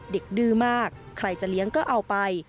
ดื้อมากใครจะเลี้ยงก็เอาไป